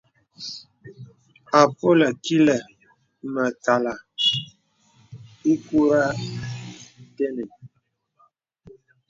Àpolə̀ kilə̀ mə̀kàlà ìkurə̀ tenə̀.